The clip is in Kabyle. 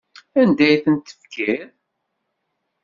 Anda ay tent-tefkiḍ?